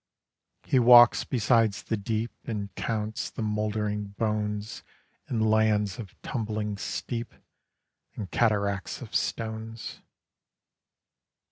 He walks beside the deep And counts the mouldering bones In lands of tumbling steep And cataracts of stones.